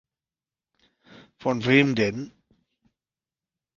Von wem denn?